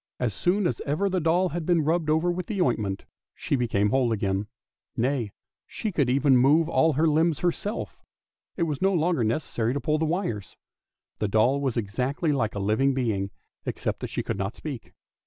As soon as ever the doll had been rubbed over with the ointment she became whole again, nay, she could even move all her limbs herself; it was no longer necessary to pull the wires. The doll was exactly like a living being, except that she could not speak.